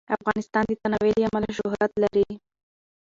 افغانستان د تنوع له امله شهرت لري.